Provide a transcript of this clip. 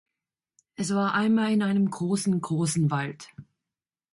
Es war einmal in einem grossen, grossen Wald!